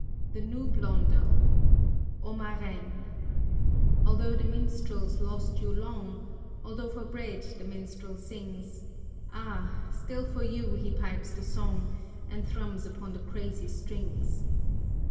THE NEW BLONDEL. O ma Reine! Although the Minstrel's lost you long, Although for bread the Minstrel sings, Ah, still for you he pipes the song, And thrums upon the crazy strings!